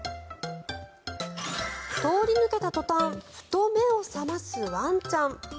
通り抜けた途端ふと目を覚ますワンちゃん。